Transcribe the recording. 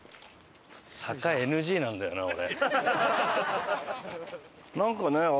坂ＮＧなんだよな俺。